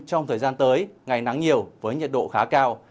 trong thời gian tới ngày nắng nhiều với nhiệt độ khá cao